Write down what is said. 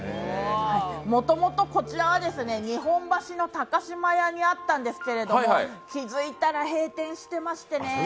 もともとこちらは、日本橋の高島屋にあったんですけれども気付いたら閉店してましてね。